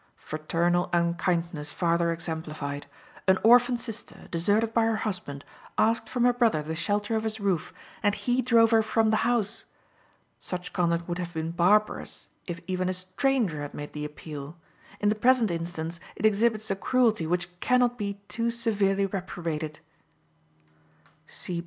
Fraternal unkindness farther exemplified! An orphan sister, deserted by her husband, asked from her brother the shelter of his roof, and he drove her from the house! Such conduct would have been barbarous if even a stranger had made the appeal; in the present instance, it exhibits a cruelty which can not be too severely reprobated.